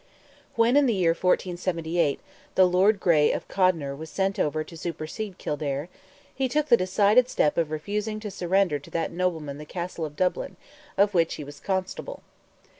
When in the year 1478 the Lord Grey of Codner was sent over to supersede Kildare, he took the decided step of refusing to surrender to that nobleman the Castle of Dublin, of which he was Constable.